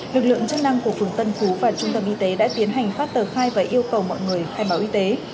lực lượng chức năng của phường tân phú và trung tâm y tế đã tiến hành phát tờ khai và yêu cầu mọi người khai báo y tế